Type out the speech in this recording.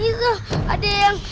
hicu ada yang